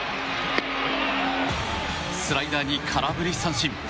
スライダーに空振り三振。